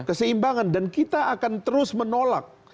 keseimbangan dan kita akan terus menolak